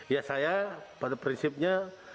ya saya pada prinsipnya